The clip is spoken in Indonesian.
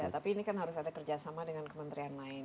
tapi ini kan harus ada kerjasama dengan kementerian lain